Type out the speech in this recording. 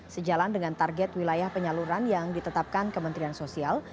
sejalan dengan target wilayah penyaluran yang ditetapkan kementerian sosial